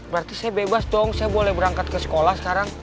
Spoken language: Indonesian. berarti saya bebas dong saya boleh berangkat ke sekolah sekarang